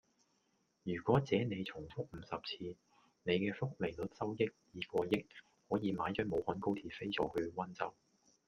如是這你重複五十次，你既複利率收益已過億，可以買張武漢高鐵飛坐去溫州